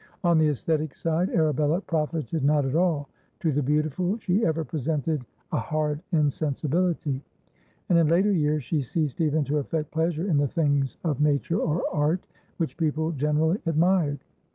On the aesthetic side Arabella profited not at all; to the beautiful she ever presented a hard insensibility, and in later years she ceased even to affect pleasure in the things of nature or art which people generally admired.